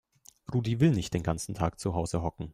Rudi will nicht den ganzen Tag zu Hause hocken.